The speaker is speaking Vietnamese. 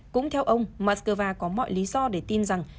cũng theo ông mắc cơ va có mọi lý do để tin rằng